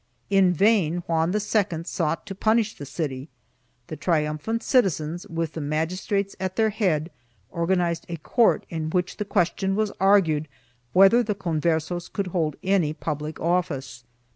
In vain Juan II sought to punish the city; the triumphant citizens, with the magis trates at their head, organized a court in which the question was argued whether the Converses could hold any public office.